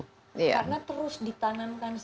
karena terus ditanamkan